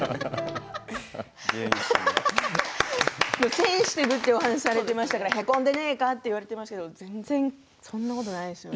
センシティブっていうお話されてましたから「へこんでねえか？」って言われてましたけど全然、そんなことないですよね。